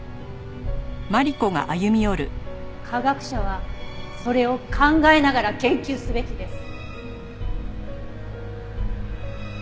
科学者はそれを考えながら研究すべきです。